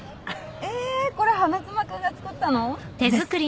えこれ花妻君が作ったの？です。